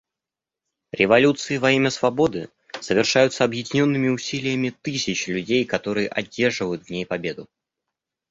Революции во имя свободы совершаются объединенными усилиями тысяч людей, которые одерживают в ней победу.